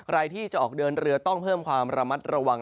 ใครที่จะออกเดินเรือต้องเพิ่มความระมัดระวัง